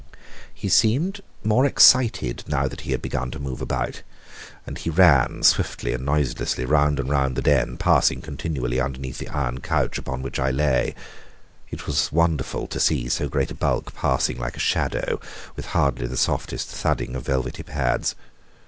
He seemed more excited now that he had begun to move about, and he ran swiftly and noiselessly round and round the den, passing continually underneath the iron couch upon which I lay. It was wonderful to see so great a bulk passing like a shadow, with hardly the softest thudding of velvety pads.